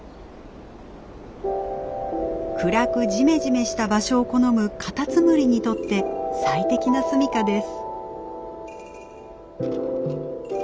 暗くジメジメした場所を好むカタツムリにとって最適な住みかです。